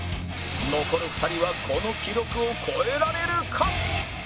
残る２人はこの記録を超えられるか？